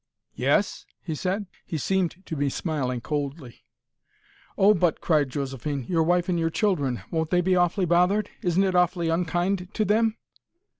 "Yes?" he said. He seemed to be smiling coldly. "Oh, but!" cried Josephine. "Your wife and your children! Won't they be awfully bothered? Isn't it awfully unkind to them?"